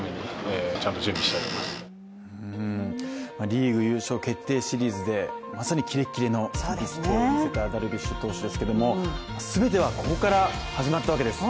リーグ優勝決定シリーズで、まさにキレッキレの力投を見せたダルビッシュ投手ですけども、全てはここから始まったわけです。